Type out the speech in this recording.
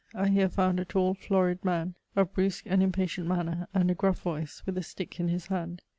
I here found a tall, florid man, of brusque and impatient manner, and a gruff voice, with a stick in his hand.